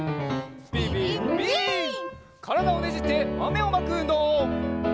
からだをねじってまめをまくうんどう！